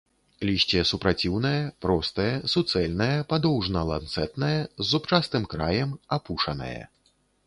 Лісце супраціўнае, простае, суцэльнае, падоўжана-ланцэтнае, з зубчастым краем, апушанае.